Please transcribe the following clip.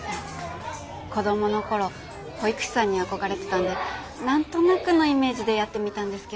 子どもの頃保育士さんに憧れてたんで何となくのイメージでやってみたんですけど。